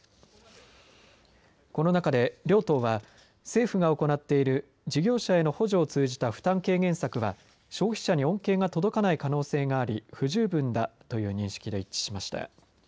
この中で両党は政府が行っている事業者への補助を通じた負担軽減策は消費者に恩恵が届かない可能性があり不十分だという認識で一致しました。